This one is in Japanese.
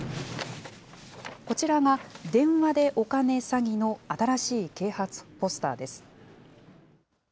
こちらが、電話でお金詐欺の新しい啓発ポスターです。